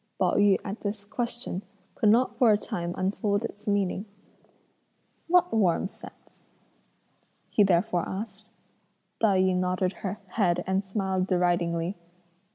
Pao yü at this question, could not for a time unfold its meaning: "What 'warm' scent?" he therefore asked. Tai yü nodded her head and smiled deridingly.